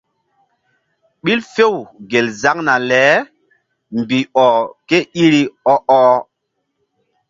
Ɓil few gel zaŋna le mbih ɔh ké iri ɔ-ɔh.